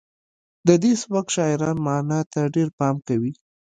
د دې سبک شاعران معنا ته ډیر پام کوي